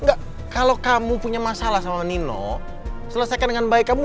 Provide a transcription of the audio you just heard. enggak kalau kamu punya masalah sama nino selesaikan dengan baik kamu